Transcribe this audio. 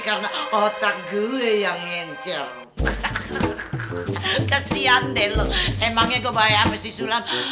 karena otak gue yang ngencer kasihan deh lo emangnya gue bayar mesin sulam